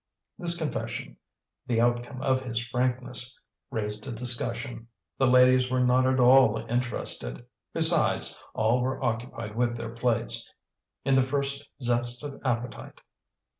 This confession, the outcome of his frankness, raised a discussion. The ladies were not at all interested. Besides, all were occupied with their plates, in the first zest of appetite.